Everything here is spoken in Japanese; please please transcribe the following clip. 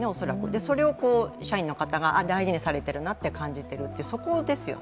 それを社員の方が、大事にされてるなと感じてるという、そこですよね